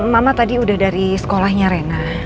mama tadi udah dari sekolahnya rena